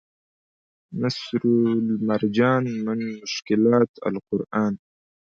نصرالمرجان من مشکلات القرآن